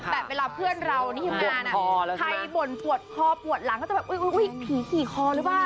แต่เวลาเพื่อนเราที่ทำงานใครบ่นปวดคอปวดหลังก็จะแบบอุ๊ยผีขี่คอหรือเปล่า